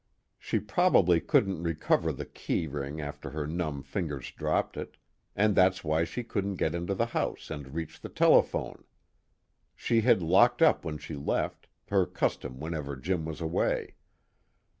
She probably couldn't recover the key ring after her numb fingers dropped it, and that's why she couldn't get into the house and reach the telephone. She had locked up when she left, her custom whenever Jim was away.